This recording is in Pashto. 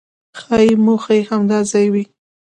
ښایي موخه یې همدا ځای وي.